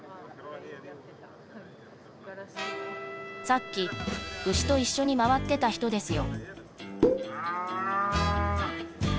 さっき牛と一緒に回ってた人ですよ